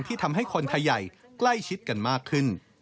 ทำให้คนไทยใหญ่ใกล้ชิดกันมากขึ้น